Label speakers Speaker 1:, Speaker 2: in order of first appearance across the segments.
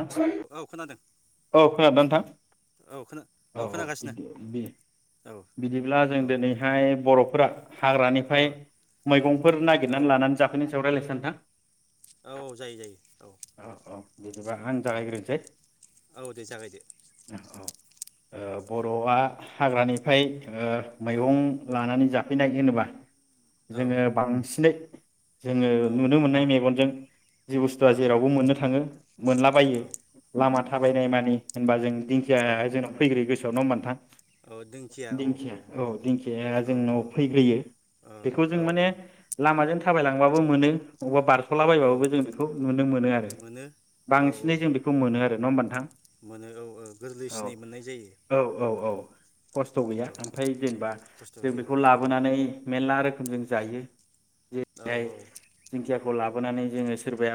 Speaker 1: औ
Speaker 2: औ खोनादों
Speaker 1: खोनादोंना नोंथां?
Speaker 2: औ औ खोना
Speaker 1: औ औ
Speaker 2: खोनागासिनो
Speaker 1: बि
Speaker 2: औ
Speaker 1: बिदिब्ला जों
Speaker 2: औ
Speaker 1: दिनैहाय बर'फोरा हाग्रानिफ्राय
Speaker 2: ओ ओ
Speaker 1: मैगंफोर
Speaker 2: औ
Speaker 1: नागिरनानै लानानै जाफैनायनि सायाव रायज्लायनोसै। नोंथां
Speaker 2: औ जायो जायो औ औ
Speaker 1: जेनेबा आं
Speaker 2: औ
Speaker 1: जागायग्रोनोसै
Speaker 2: औ दे जागायदो
Speaker 1: औ
Speaker 2: औ
Speaker 1: ओ बर'आ हाग्रानिफ्राय ओ
Speaker 2: अ
Speaker 1: मैगं लानानै जा फैनाय होनोबा
Speaker 2: औ
Speaker 1: जोङो बांसिनै जोङो
Speaker 2: औ
Speaker 1: नुनो मोननाय मेगनजों [unintelligible] जि बुस्थुआ जेरावबो मोननो थाङो मोनलाबायो
Speaker 2: औ
Speaker 1: लामा
Speaker 2: औ
Speaker 1: थाबायनाय मानि होनबा जों
Speaker 2: औ
Speaker 1: दिंखियाया जोंनाव फैग्रो गोसोआवनो नङा ओमबा नोंथां।
Speaker 2: औ औ
Speaker 1: दिंखिया औ
Speaker 2: नंगौ
Speaker 1: दिंखिया
Speaker 2: औ
Speaker 1: जोंनाव
Speaker 2: ओ
Speaker 1: फैग्रोयो बेखौ जों माने
Speaker 2: औ
Speaker 1: लामाजों थाबायलांबाबो मोनो अबा बार
Speaker 2: औ
Speaker 1: स'लाबायबाबो जों बेखौ नुनो मोनो आरो।
Speaker 2: मोनो औ
Speaker 1: बांसिनै
Speaker 2: औ
Speaker 1: जों बेखौ मोनो आरो नङा ओमबा नोंथां?
Speaker 2: मोनो औ औ
Speaker 1: औ
Speaker 2: गोरलैसिनै मोननाय जायो
Speaker 1: औ औ औ खस्थ' गैया
Speaker 2: औ
Speaker 1: ओमफाय जेनेबा
Speaker 2: खस्थ'
Speaker 1: जों
Speaker 2: गैया
Speaker 1: बेखौ
Speaker 2: औ
Speaker 1: लाबोनानै मेल्ला रोखोमजों जायो।
Speaker 2: औ
Speaker 1: जेरैहाय
Speaker 2: औ
Speaker 1: दिंखीयाखौ लाब बोनानै जोङो सोरबाया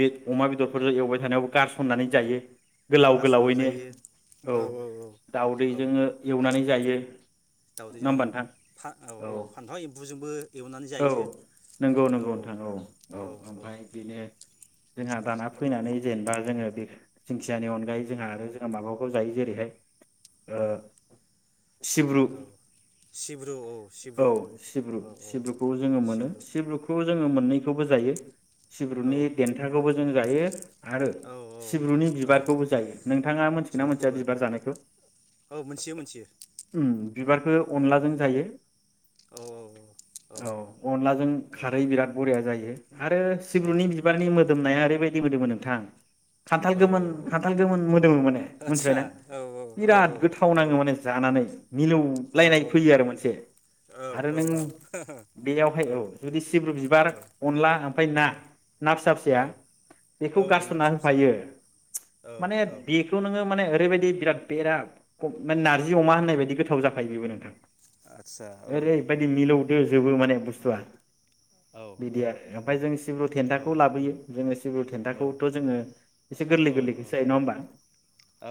Speaker 1: बे अमा बेदर फोर एवबाय थानायावबो गारसननानै जायो। गोलाव
Speaker 2: गारस'नानै
Speaker 1: गोलावैनो
Speaker 2: जायो
Speaker 1: औ
Speaker 2: औ औ औ
Speaker 1: दाउदैजों एवनानै जायो।
Speaker 2: दाउदैजों ओं
Speaker 1: होमबा नोंथां
Speaker 2: औ
Speaker 1: औ
Speaker 2: फा-फानथाव एम्बुजोंबो एवनानै
Speaker 1: औ
Speaker 2: जायो
Speaker 1: नंगौ
Speaker 2: औ
Speaker 1: नंगौ नोंथां
Speaker 2: औ औ औ।
Speaker 1: ओमफ्राय बेनो जोंहा दाना फैनानै जेनेबा जोङो बे दिंखियानि अनगायै
Speaker 2: उम
Speaker 1: जोंहा आरो जोंहा माबा जायो जेरैहाय ओ
Speaker 2: औ
Speaker 1: सिब्रु,
Speaker 2: औ सिब्रु औ
Speaker 1: औ
Speaker 2: सिब्रु
Speaker 1: सिब्रु
Speaker 2: औ औ
Speaker 1: सिब्रुखौ जोङो मोनो
Speaker 2: सिब्रु
Speaker 1: सिब्रुखौ जोङो मोननैखौबो जायो।
Speaker 2: औ
Speaker 1: सिब्रुनि देन्थाखौबो जों जायो आरो
Speaker 2: औ औ
Speaker 1: सिब्रुनि
Speaker 2: औ
Speaker 1: बिबारखौबो जायो नोंथाङा मोनथिगो ना मोनथिया
Speaker 2: बिबारखौबो
Speaker 1: बिबार जानायखौ
Speaker 2: औ मोनथियो मोनथियो
Speaker 1: उम
Speaker 2: औ
Speaker 1: बिबारखो
Speaker 2: औ
Speaker 1: अनलाजों जायो
Speaker 2: औ
Speaker 1: औ अनलाजों खारै बिराद बरिया जायो। आरो सिब्रुनि बिबारनि मो दोमनाया आरैबा यदि मोदोमो नोंथां खान्थाल
Speaker 2: औ
Speaker 1: गोमोन
Speaker 2: औ
Speaker 1: खान्थाल गोमोन मोदोमो माने
Speaker 2: आदसा
Speaker 1: मोनथिबायना
Speaker 2: औ औ
Speaker 1: बिराद गोथाव
Speaker 2: औ
Speaker 1: नाङो माने जानानै।
Speaker 2: औ
Speaker 1: मिलौलायनाय फैयो आरो मोनसे आरो नों बेयावहाय औ जुदि सिब्रु बिबार अनला ओमफाय ना ना फिसा फिसाया
Speaker 2: औ
Speaker 1: बेखौ
Speaker 2: औ ना
Speaker 1: गारसनना
Speaker 2: फिसा
Speaker 1: होफायो
Speaker 2: फिसाजों औ
Speaker 1: माने
Speaker 2: औ
Speaker 1: बेखौ नोङो माने ओरैबायदि बिराद बेरा माने नारजि अमा होननाय बायदि गोथाव जाखायो बेबो नोंथां।
Speaker 2: आदसा ओं
Speaker 1: ओरैबायदि
Speaker 2: ओं
Speaker 1: मिलौदोजोबो माने बुस्थुआ।
Speaker 2: औ
Speaker 1: बिदि आरो ओमफाय जों सिब्रु थेन्थाखौ लाबोयो जोङो सिब्रु देन्थाखौथ जोङो एसे गोरलै गोरलैखोसो जायो नङा होमबा?
Speaker 2: औ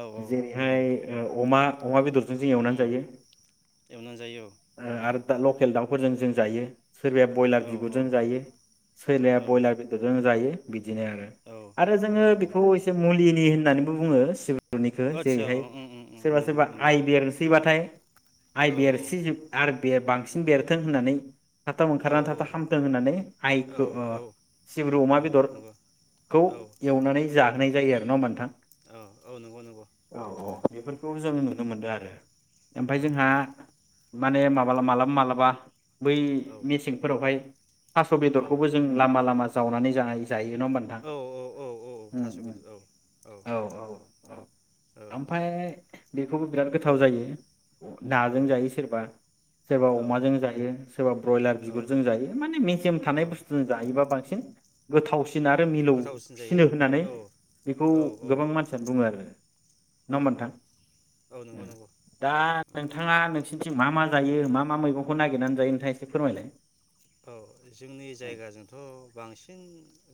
Speaker 2: औ
Speaker 1: जेरैहाय ओ अमा अमा बेदरजों जों एवनानै
Speaker 2: उम
Speaker 1: जायो,
Speaker 2: एवनानै जायो
Speaker 1: ओ
Speaker 2: औ
Speaker 1: आरो दा लकेल दाउ फोरजों जों जायो। सोरबाया बयलार
Speaker 2: औ
Speaker 1: बिगुरजों
Speaker 2: औ
Speaker 1: जायो, सोरबाया
Speaker 2: औ
Speaker 1: बयलार बेदरजों जायो। बिदिनो
Speaker 2: औ
Speaker 1: आरो जोङो
Speaker 2: औ औ
Speaker 1: बेखौ एसे मुलिनि होननानै बो बुङो। सि बुनिखो
Speaker 2: आदसा औ
Speaker 1: जेरैहाय
Speaker 2: उम उम उम
Speaker 1: सोरबा
Speaker 2: नंगौ
Speaker 1: सोरबा
Speaker 2: नंगौ
Speaker 1: आइ बेरनोसैबाथाय
Speaker 2: औ
Speaker 1: आइ बेरसिजि आर बेर बां सिन बेरथों होननानै थाबथाब
Speaker 2: औ
Speaker 1: ओंखारनानै थाबथाब हामथों होननानै
Speaker 2: औ
Speaker 1: आइखो
Speaker 2: औ
Speaker 1: ओ सिब्रु अमा बेदर
Speaker 2: नंगौ
Speaker 1: खौ
Speaker 2: औ
Speaker 1: एवनानै जा होनाय जायो आरो नङा ओमबा नोंथां? औ औ बेफोरखौ जों नुनो मोनदो आरो ओमफाय जोंहा माने माबाला मालाबा मालाबा बै मेसेंफोरावहाय थास'
Speaker 2: औ
Speaker 1: बेदरखौबो जों लामा लामा जावनानै जानाय जायो नङा ओम उम
Speaker 2: औ औ थास'
Speaker 1: उम
Speaker 2: बेदर औ
Speaker 1: औ औ औ ओमफाय बेखौबो बिराद
Speaker 2: औ
Speaker 1: गोथाव जायो
Speaker 2: औ
Speaker 1: नाजों जायो सोरबा, सोरबा अमाजों जायो, सोरबा ब्रयलार बिगुरजों जायो माने मेजेम
Speaker 2: औ
Speaker 1: थानाय बुस्थुजों जायोबा बांसिन गोथाव आरो मिलौ
Speaker 2: गोथावसिन जायो
Speaker 1: सिनो होननानै
Speaker 2: औ
Speaker 1: बेखौ
Speaker 2: औ
Speaker 1: गोबां मानसियानो बुङो आरो नङा
Speaker 2: औ
Speaker 1: होमबा
Speaker 2: औ
Speaker 1: नोंथां?
Speaker 2: औ नंगौ नंगौ
Speaker 1: दा
Speaker 2: औ
Speaker 1: नोंथाङा नों सिनिथिं मा मा जायो मा मा मैगंखौ नागिरनानै जायो नोंथाङा एसे फोरमायलाय।
Speaker 2: औ जोंनि जायगाजोंथ बांसिन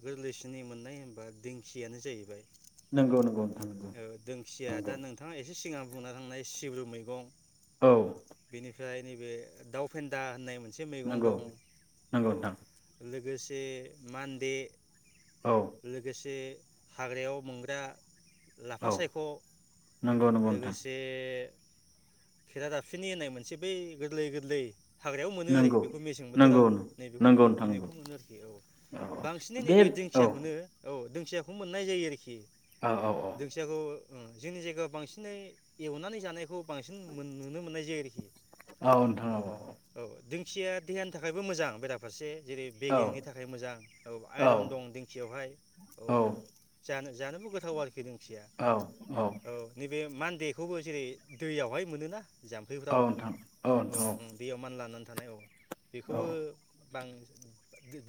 Speaker 2: गोरलैसि नै मोननाय होनबा दिंखियानो जाहैबाय
Speaker 1: नंगौ नंगौ। नोंथां नंगौ
Speaker 2: ओ दोंखिया दा
Speaker 1: नंगौ
Speaker 2: नोंथाङा एसे सिगां बुंना थांनाय सिब्रु मैगं
Speaker 1: औ
Speaker 2: बिनिफ्राय नैबे दाउ फेन्दा होननाय मोनसे मोनसे मैगं
Speaker 1: नंगौ
Speaker 2: दं
Speaker 1: नंगौ
Speaker 2: औ
Speaker 1: नोंथां
Speaker 2: लोगोसे दे मान दे
Speaker 1: औ
Speaker 2: लोगोसे हाग्रायाव मोनग्रा लाफा
Speaker 1: औ
Speaker 2: सायख'
Speaker 1: नंगौ नंगौ नोंथां
Speaker 2: लोगोसे खेेरा दाबसिनि होननाय मोनसे बै गोरलै गोरलै हाग्रायाव मोनो आरोखि
Speaker 1: नंगौ
Speaker 2: बेखौ मेसें बोथोराव
Speaker 1: नंगौ
Speaker 2: नैबेखौ
Speaker 1: नंगौ नोंथां नंगौ
Speaker 2: नैखौ मोनो आरोखि औ
Speaker 1: औ
Speaker 2: बांसिनै
Speaker 1: औ बे
Speaker 2: नैबे
Speaker 1: औ
Speaker 2: दिंखियाखौनो औ फिसाखौ मोननाय जायो आरोखि
Speaker 1: औ औ औ
Speaker 2: दिंखियाखौ हम जोंनि जायगायाव बांसिनै एवनानै जानायखौ बांसिन नुनो मोननाय जायो आरोखि
Speaker 1: औ नोथां औ औ
Speaker 2: दिंखिया देहानि थाखायबो मोजां बेराफारसे जेरै
Speaker 1: औ
Speaker 2: बेगेंनि थाखाय मोजां औ आइरन दं दिंखियावहाय औ जानो जानोबो गोथाव आरोखि नों
Speaker 1: औ औ
Speaker 2: बे मान्देखौबो जेरै दैयावहाय मोनोना
Speaker 1: औ
Speaker 2: जाम्फैफ्राव
Speaker 1: नोंथां
Speaker 2: औ
Speaker 1: नोंथां
Speaker 2: हम दैयाव मानलानानै थानाय औ
Speaker 1: औ
Speaker 2: बेखौबो बां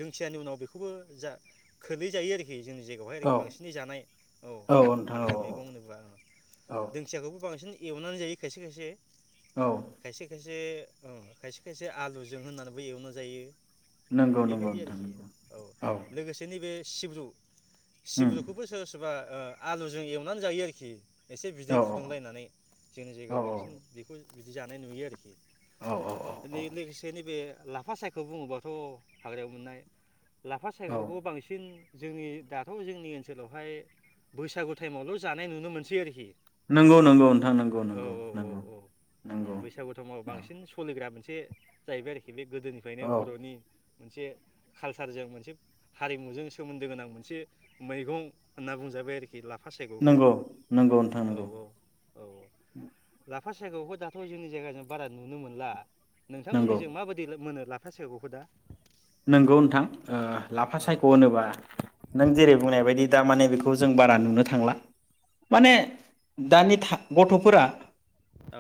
Speaker 2: दोंखियानि उनाव बेखौबो जा खोलै जायो आरोखि बे जोंनि जायगायावहाय
Speaker 1: औ
Speaker 2: बांसिनै जानाय औ
Speaker 1: नोंथां
Speaker 2: हाग्रा मैगं
Speaker 1: औ
Speaker 2: होनोबा
Speaker 1: औ
Speaker 2: दोंखियाखौबो बांसिन एवनानै जायो खायसे खायसे
Speaker 1: औ
Speaker 2: खायसे खायसे खायसे खायसे खायसे आलुजों होननानैबो एवनाय जायो
Speaker 1: नंगौ नंगौ
Speaker 2: बेबायादि
Speaker 1: नोंथां
Speaker 2: आरोखि
Speaker 1: नंगौ
Speaker 2: औ लोगोसे नैबे सिब्रु
Speaker 1: उम
Speaker 2: सिबदुखौबो सोरबा सोरबा ओ आलुजों एवनानै जायो आरोखि एसे
Speaker 1: औ
Speaker 2: बिदै फुदुंलायनानै जोंनि जायगायाव बांसिन बेखौ बिदि जानाय नुयो आरोखि।
Speaker 1: औ औ
Speaker 2: नै लोगोसे नैबे। लाफा सायखौ बुङोबाथ' हाग्रायाव मोननाय। लाफा
Speaker 1: औ
Speaker 2: सायख'खौ बांसिन। जोंनि दाथ' जोंनि ओनसोलावहाय। बैसागु टाइमावल' जानाय नुनो मोनसै आरोखि।
Speaker 1: नंगौ नंगौ नोंथां नंगौ
Speaker 2: औ
Speaker 1: नंगौ
Speaker 2: औ औ
Speaker 1: नंगौ
Speaker 2: औ ओं
Speaker 1: नंगौ
Speaker 2: बैसागु टाइमाव
Speaker 1: ओं।
Speaker 2: बांसिन सोलिग्रा मोनसे जाहैबाय आरोखि बे। गोदोनिफ्रायनो बर'नि। मोनसे कालसारजों मोनसे हारिमुजों सोमोन्दो गोनां मोनसे मैगं होनना बुंजाबाय। बि लाफा सायग'खौ
Speaker 1: नंगौ नंगौ नोंथां
Speaker 2: औ-
Speaker 1: नंगौ
Speaker 2: औ -औ -औ-ला। फाससायख'खौ दाथ' जोंनि जायगाजों बारा नुनो मोनला। नोंथांमोननि
Speaker 1: नंगौ
Speaker 2: जों माबायदि मोनो लाफ फा सायावहोदा।
Speaker 1: नंगौ नोंथां ओ लाफा
Speaker 2: औ
Speaker 1: सायख' होनोबा नों जेरै बुंनाय बायदि दा माने बेखौ जों बारा नुनो थांला
Speaker 2: औ
Speaker 1: माने दानि था गथ'फोरा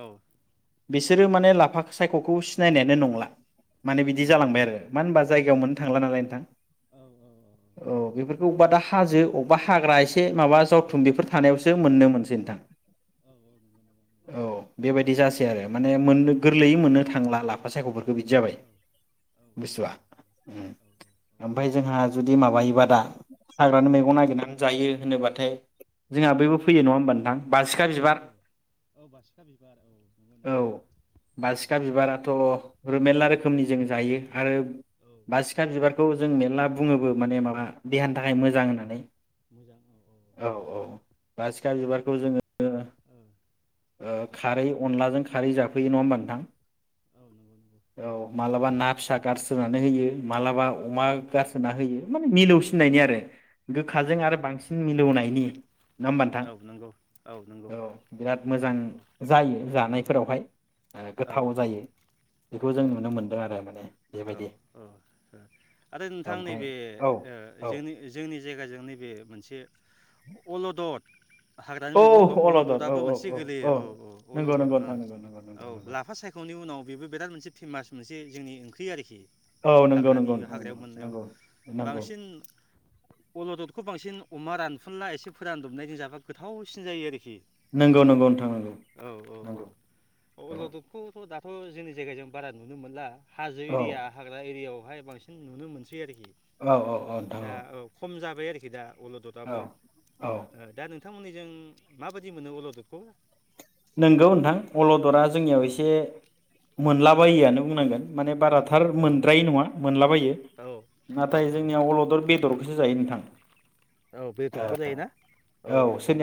Speaker 2: औ।
Speaker 1: बिसोरो माने लाफा सायख'खौ सिनायनायानो नंला। माने बिदि
Speaker 2: सिनायनाय
Speaker 1: जालांबाय
Speaker 2: नंला
Speaker 1: आरो मा होनोमबा। जायगायाव मोननो
Speaker 2: ओहो
Speaker 1: थांलानालाय नोंथां
Speaker 2: औ औ औ
Speaker 1: अ बेफोरखौ
Speaker 2: औ
Speaker 1: दा हाजो। अबेबा हाग्रा एसे माबा जावथुम बेफोर।
Speaker 2: औ
Speaker 1: थानायावसो
Speaker 2: औ नंगौ
Speaker 1: मोननो मोनसै नोंथां
Speaker 2: नंगौ औ औ औ औ
Speaker 1: औ बेबाय। बि
Speaker 2: नंगौ
Speaker 1: जासै आरो
Speaker 2: औ
Speaker 1: माने मोन गोरलैयै
Speaker 2: औ
Speaker 1: मोननो
Speaker 2: औ
Speaker 1: थांला लाफा सायख' फोरखौ। गो बिदि जाबाय
Speaker 2: औ
Speaker 1: बुसुआ। ओ ओमफाय जोंहा। जुदि माबायोबा दा हाग्रानि मैगं नागिरनानै जायो होनोबाथाय। जोंहा
Speaker 2: औ
Speaker 1: बैबो फैयो नङाहोमबा नोंथां। बासिखा बिबार
Speaker 2: औ औ बासिखा बिबार औ नंगौ
Speaker 1: औ
Speaker 2: नंगौ औ
Speaker 1: बासिखा बिबाराथ' मेरला रोखोमनि जों जायो आरो।
Speaker 2: औ
Speaker 1: बा सिखा
Speaker 2: औ
Speaker 1: बिबारखौ जों मेर्ला बुङोबो माने माबा। देहानि थाखाय
Speaker 2: औ
Speaker 1: मोजां होननानै औ- औ -बसिखा बिबार। बे खौ जोङो।
Speaker 2: औ
Speaker 1: ओ खारै अनलाजों ख। खारै जाफैयो नङा होमबा नोंथां
Speaker 2: नंगौ नंगौ
Speaker 1: औ मालाबा ना फिसा गारस सोमनानै होयो मालाबा
Speaker 2: औ
Speaker 1: अमा
Speaker 2: औ
Speaker 1: गारसोना
Speaker 2: औ
Speaker 1: होयो माने मिलौसिननायनि आरो गोखाजों आरो बांसिन मिलौनायनि नङा होमबा नथां
Speaker 2: औ नंगौ औ नंगौ नंगौ
Speaker 1: औ बिराद।
Speaker 2: औ
Speaker 1: मोजां
Speaker 2: औ
Speaker 1: जायो जानायफोरावहाय गोथाव
Speaker 2: औ
Speaker 1: जायो बेखौ जों नुनो
Speaker 2: औ
Speaker 1: मोनदों आरो माने
Speaker 2: औ
Speaker 1: बेबायदि
Speaker 2: औ ओ आरो नोंथां
Speaker 1: ओमफ्राय
Speaker 2: नैबे
Speaker 1: औ औ
Speaker 2: जोंनि जोंनि जायगाजों नैबे मोनसे अलदद हाग्रानि
Speaker 1: औ
Speaker 2: मैगं होनबा
Speaker 1: अलदर औ
Speaker 2: अलददआो
Speaker 1: औ
Speaker 2: मोनसे गोगलैयो औ औ
Speaker 1: नंगौ
Speaker 2: अलदद
Speaker 1: नंगौ नोंथां नंगौ नंगौ नंगौ
Speaker 2: औ
Speaker 1: नंगौ
Speaker 2: लाफा सायख'नायनि उनाव बेबो बिराद मोनसे फेमास मोनसे जोंनि ओंख्रि आरोखि
Speaker 1: औ नंगौ
Speaker 2: हाग्रानि
Speaker 1: नंगौ नोंथां नंगौ
Speaker 2: हाग्रायाव मोननाय
Speaker 1: नंगौ नंगौ
Speaker 2: बांसिन अलददखौ बांसिन अमा रानफुनला एसे फोरानदबनायजों जाबा गोथावसिन जायो आरोखि
Speaker 1: नंगौ नंगौ नोंथां नंगौ
Speaker 2: औ औ
Speaker 1: नंगौ औ
Speaker 2: थ' जोंनि जायगाजों बारा नुनो मोनला हाजो एरिया
Speaker 1: औ
Speaker 2: हाग्रा एरियायाव बेवहाय बांसिन नुनो मोन सै आरोखि
Speaker 1: औ औ औ नोंथां
Speaker 2: दा औ खम जा बाय आरोखि दा
Speaker 1: औ
Speaker 2: अलददाबो
Speaker 1: औ
Speaker 2: ओ दा नों नोंथांमोननिजों माबायदि मोनो अलददखौ?
Speaker 1: नंगौ नोंथां अलददा जोंनियाव
Speaker 2: औ
Speaker 1: एसे
Speaker 2: औ
Speaker 1: मोनलाबायोआनो बुंनांगोन माने बाराथार
Speaker 2: औ
Speaker 1: मोनद्राय नङा मोनलाबायो
Speaker 2: औ औ
Speaker 1: नाथाय
Speaker 2: औ
Speaker 1: जोंनियाव अलदद बेदरखौसो जायो नोंथां
Speaker 2: औ बेदरखौ जायोना औ औ औ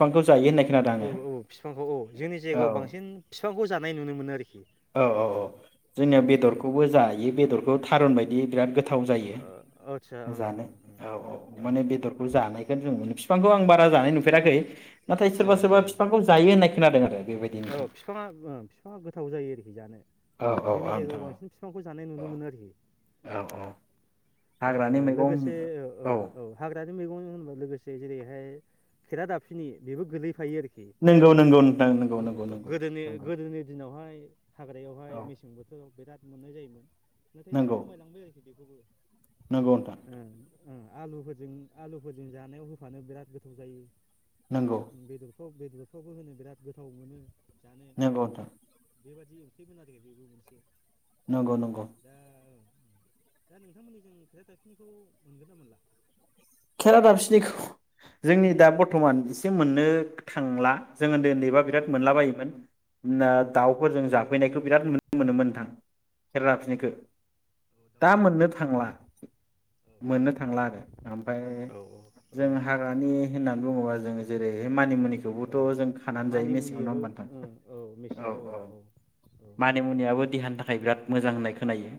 Speaker 1: फांखौ स जायो होननाय खोनादों
Speaker 2: औ
Speaker 1: आङो
Speaker 2: औ बिफांखौ औ जोंनि
Speaker 1: औ
Speaker 2: जायगायाव बांसिन बिफांखौ जानाय नुनो मोनो आरोखि
Speaker 1: औ औ
Speaker 2: औ औ
Speaker 1: ओ थारुन बायदि बिराद गोथ थाव
Speaker 2: आदसा
Speaker 1: जायो जानो औ औ
Speaker 2: ओं
Speaker 1: माने बेदरखौ जानायखौ जों मोनि बिफांखौ आं बारा जानाय नुफेराखै नाथाय
Speaker 2: औ ओ
Speaker 1: सोरबा सोरबा बिफांखौ जायो होननाय खोनादों आरो बेबायदि
Speaker 2: औ
Speaker 1: नोंथां
Speaker 2: बिफाङा ओ बिफाङा गोथाव जायो आरोखि जानो
Speaker 1: औ औ
Speaker 2: जोंनि
Speaker 1: औ
Speaker 2: जायगायाव
Speaker 1: नोंथां औ
Speaker 2: बांसिन बिफांखौ जानाय नुनो मोनो आरोखि औ ओ
Speaker 1: हाग्रानि मैगं
Speaker 2: लोगोसे औ औ औ हाग्रानि मैगं होनबा लोगोसे जेरै ए खेेरा दाबफिनि बेबो गोलै
Speaker 1: नंगौ नंगौ नोंथां नों
Speaker 2: औ गोदोनि गोदोनि दिनावहाय हाग्रायावहाय
Speaker 1: औ
Speaker 2: मेसें बोथोराव बिराद मोननाय जायोमोन। नाथाय दा खमायलांबाय आरोखि बेखौबो
Speaker 1: नोंगौ नोंथां
Speaker 2: ओम आलुफोरजों आलुफोरजों जानायाव होफानो बिराद गोथाव जायो
Speaker 1: नंगौ
Speaker 2: बिदथ' बेदरफ्रावबो होनो बिराद गोब औ मोनो जानो
Speaker 1: नोंगौ नोंथां।
Speaker 2: बेबादि ओंख्रि खोनाजि बेबो मोनसे
Speaker 1: नंगौ नंगौ
Speaker 2: दा ओं दा नोंथांमोननि जों खेराय दाबखिनिखौ मोनगोन ना मोनला
Speaker 1: खेराय दाबसिनिखौ जोंनि दा बर्थ'मान एसे मोननो थांला जों उन्दै उन्दै बा बिराथ
Speaker 2: औ
Speaker 1: मोनला बायोमोन मानोना
Speaker 2: औ
Speaker 1: दावफोरजो जाफैनायखौ बिराद नुनो मोनोमोन नोंथां केेराय
Speaker 2: औ औ
Speaker 1: दाफिनिखौ
Speaker 2: औ औ
Speaker 1: दा मोननो
Speaker 2: दाउफोरजोंहाय
Speaker 1: थांला
Speaker 2: औ
Speaker 1: मोननो थांला आरो ओमफ्राय
Speaker 2: औ औ
Speaker 1: जों हाग्रानि होना होननानै बुङोबा जों जेरै मानि मुनि जेखौबोथ
Speaker 2: औ
Speaker 1: जों खानानै जायो
Speaker 2: मानि
Speaker 1: मेसेंआव नङा
Speaker 2: मुनियाबो
Speaker 1: होमबा नोंथां औ औ
Speaker 2: औ
Speaker 1: मानि मुनियाबो देहानि थाखाय नाथाय बिराद मोजां होननाय खोनायो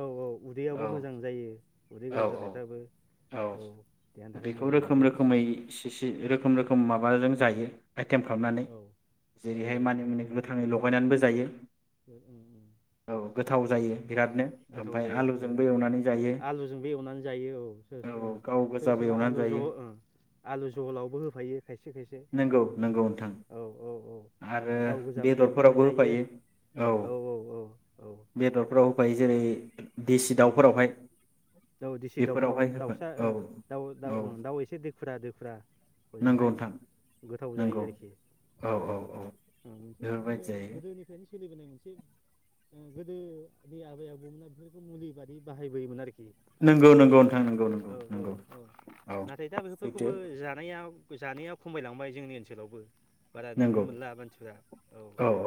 Speaker 2: औ औ उदैयावबो
Speaker 1: औ
Speaker 2: मोजां जायो उदै गाज्रि जानायफ्राबो
Speaker 1: अ
Speaker 2: औ देहानि थाखाय
Speaker 1: बेखौ
Speaker 2: मोजां
Speaker 1: रोखोम
Speaker 2: बेबो
Speaker 1: रोखोमै सिस रोखोम रोखोम माबाजों जायो आइटेम खालामनानै
Speaker 2: औ औ
Speaker 1: जेरैहाय मानि मुनि गोथाङै लगायनानैबो ज जायो
Speaker 2: औ उम
Speaker 1: औ गोथाव
Speaker 2: उम
Speaker 1: जायो बिरादनो
Speaker 2: गोथाव
Speaker 1: ओमफ्राय
Speaker 2: जायो
Speaker 1: आलुजोंबो एवनानै जायो
Speaker 2: आलुजोंबो एवनानै जायो औ सोर ओं
Speaker 1: गाव
Speaker 2: सोरबा
Speaker 1: गोजाबो
Speaker 2: सोरबा
Speaker 1: एवनानै
Speaker 2: आलु
Speaker 1: जायो
Speaker 2: जहल ओम आलु जहलावबो होफायो खायसे खायसे
Speaker 1: नंगौ नंगौ नोंथां
Speaker 2: औ औ औ
Speaker 1: आरो
Speaker 2: गाव गोजाबो एवनानै
Speaker 1: बेदरफोरावबो
Speaker 2: जायो
Speaker 1: होफायो औ बेदरफ्राव होफायो जेरै देसि
Speaker 2: औ
Speaker 1: दाउफोरावहाय
Speaker 2: औ देसि दाउफ्राव
Speaker 1: बेफोरावहाय होफा
Speaker 2: दाउस फिसा
Speaker 1: औ
Speaker 2: ओं दा दाउ
Speaker 1: औ
Speaker 2: ओ दाउ एसे देखुरा देखुरा
Speaker 1: नंगौ
Speaker 2: जोंहाय
Speaker 1: नोंथां
Speaker 2: गोथाव जायो
Speaker 1: नंगौ
Speaker 2: आरोखि औ मोनसे
Speaker 1: बेफोरबायदि
Speaker 2: बिदिनो
Speaker 1: जायो
Speaker 2: गोदोनिफ्रायनो सोलिबोनाय मोनसे गोदोनि आबै आबौमोना बेफोरखौ मुलि बादि बाहायबोयोमोन आरोखि। औ
Speaker 1: नंगौ नंगौ नोंथां नंगौ नंगौ
Speaker 2: औ
Speaker 1: नंगौ
Speaker 2: औ
Speaker 1: औ
Speaker 2: नाथाय दा
Speaker 1: सैथो
Speaker 2: बेफोरखौबो जानाया जानाया खमायलांबाय जोंनि ओनसोलावबो। बारा नुनो
Speaker 1: नंगौ
Speaker 2: मोनला मानसिफोरा औ औ।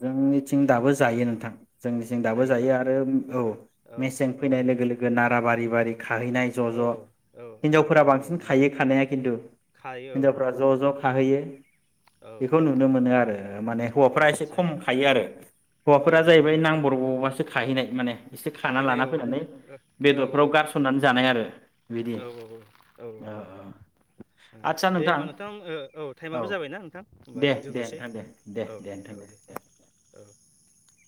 Speaker 1: जोंनिथिं दाबो जायो नोंथां जोंनि जों दाबो
Speaker 2: जायोना
Speaker 1: जायो आरो औ
Speaker 2: औ
Speaker 1: मेसें
Speaker 2: औ
Speaker 1: फैनाय लोगो लोगो नाराबारि बारि खाहैनाय ज'
Speaker 2: औ
Speaker 1: ज'
Speaker 2: औ औ औ
Speaker 1: हिनजावफोरा
Speaker 2: औ
Speaker 1: बांसिन
Speaker 2: नंगौ
Speaker 1: खाहायो खानाया खिन्थु
Speaker 2: खायो
Speaker 1: हिनजावफोरा
Speaker 2: औ औ
Speaker 1: ज' ज' खाहैयो।
Speaker 2: औ
Speaker 1: बेखौ
Speaker 2: औ
Speaker 1: नुनो मोनो आरो माने
Speaker 2: औ
Speaker 1: हौवाफ्रा एसे
Speaker 2: आदसा
Speaker 1: खम
Speaker 2: आदसा
Speaker 1: खायो आरो
Speaker 2: औ
Speaker 1: हौवाफोरा
Speaker 2: नंगौ
Speaker 1: जाहैबाय
Speaker 2: नंगौ
Speaker 1: नांबरबावबासो खाहैनाय माने। एसे खाना
Speaker 2: खाहैनाय
Speaker 1: लाना
Speaker 2: औ
Speaker 1: फैनानै
Speaker 2: औ
Speaker 1: बेदरफ्राव गारसननानै जानाय आरो बिदि
Speaker 2: औ औ औ औ औ ओ दे होमबा नोंथां ओ औ टाइमाबो जाबायना नोंथां होमबा
Speaker 1: दे
Speaker 2: दिनै
Speaker 1: दे
Speaker 2: दोनथ'नोसै
Speaker 1: नोंथां दे दे
Speaker 2: औ
Speaker 1: नोंथां
Speaker 2: औ दे। औ